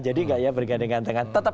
jadi enggak ya bergandengan tangan